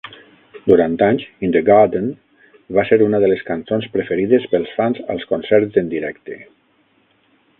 Durant anys, "In the garden" va ser una de les cançons preferides pels fans als concerts en directe.